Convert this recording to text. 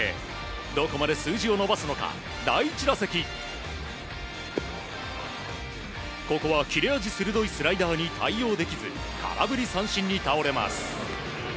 どこまで数字を伸ばすのか第１打席、ここは切れ味鋭いスライダーに対応できず空振り三振に倒れます。